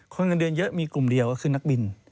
เงินเดือนเยอะมีกลุ่มเดียวก็คือนักบิน